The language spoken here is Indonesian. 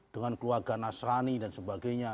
dengan keluarga nasrani dan sebagainya